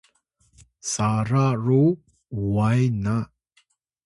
sara ru uway na